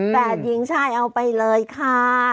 แต่จริงใช่เอาไปเลยค่ะ